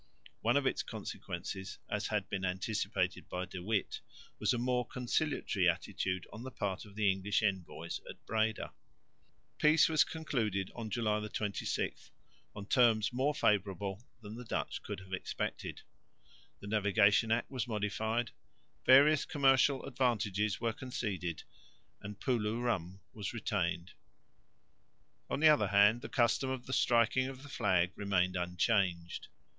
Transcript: One of its consequences, as had been anticipated by De Witt, was a more conciliatory attitude on the part of the English envoys at Breda. Peace was concluded on July 26, on terms more favourable than the Dutch could have expected. The Navigation Act was modified, various commercial advantages were conceded and Poeloe Rum was retained. On the other hand, the custom of the striking of the flag remained unchanged.